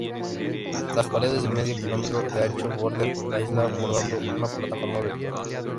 Las paredes, de medio kilómetro de ancho, bordean la isla formando una plataforma virtual.